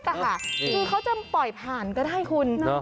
คือเขาจะปล่อยผ่านก็ได้คุณ